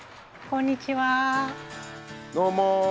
こんにちは。